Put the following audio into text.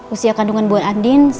usia kandungan bu andin